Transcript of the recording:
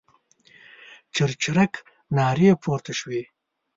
چرچرک نارې پورته شوې.